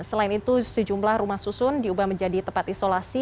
selain itu sejumlah rumah susun diubah menjadi tempat isolasi